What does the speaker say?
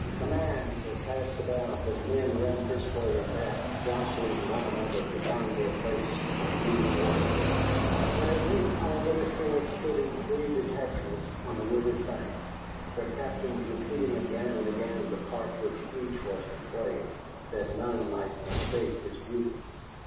Commands were passed about, and men ran this way and that, jostling one another to find their places in a new order. But at length our little force stood in three detachments on the river's bank, their captains repeating again and again the part which each was to play, that none might mistake his duty.